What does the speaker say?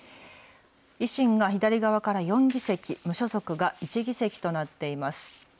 維新が左側から４議席、無所属が１議席となっています。